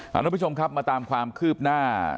คุณผู้ชมครับมาตามความคืบหน้า